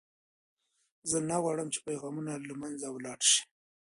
زه نه غواړم چې پیغامونه له منځه ولاړ شي.